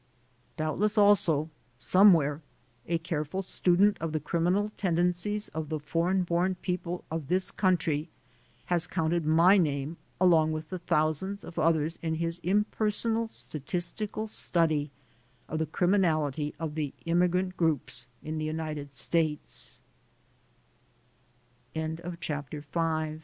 Doubtless also, some where a careful student of the criminal tendencies of the foreign born people of this country has counted my name along with thousands of others in his impersonal statistical study of the criminality of the immigrant groups in the